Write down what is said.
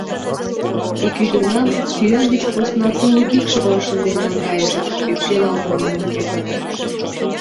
«Ик ӱдырнам сӱан деч посна тулык икшывыла шынден наҥгайышт», — ӧпкелалтын манын кертыт.